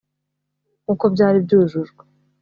nkuko byari byujujwe